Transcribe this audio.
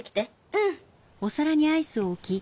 うん。